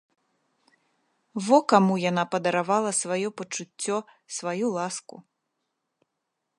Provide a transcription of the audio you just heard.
Во каму яна падаравала сваё пачуццё, сваю ласку!